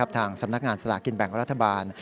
ทางสำนักงานสลากินแบ่งรัฐบาล